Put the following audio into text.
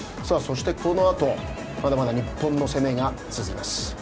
そして、このあとまだまだ日本の攻めが続きます。